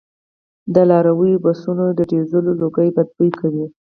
د لاریو او بسونو د ډیزلو لوګي بد بوی کوي